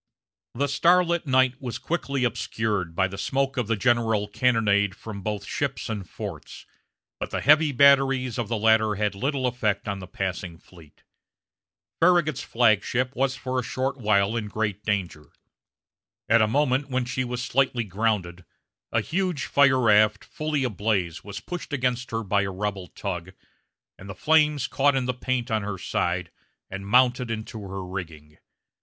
The starlit night was quickly obscured by the smoke of the general cannonade from both ships and forts; but the heavy batteries of the latter had little effect on the passing fleet. Farragut's flag ship was for a short while in great danger. At a moment when she slightly grounded a huge fire raft, fully ablaze, was pushed against her by a rebel tug, and the flames caught in the paint on her side, and mounted into her rigging.